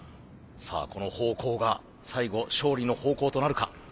さあこの咆哮が最後勝利の咆哮となるか。